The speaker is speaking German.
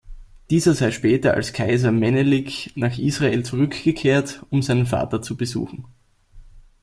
Dieser sei später als Kaiser Menelik nach Israel zurückgekehrt, um seinen Vater zu besuchen.